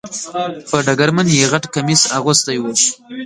په ډګرمن یې غټ کمیس اغوستی و .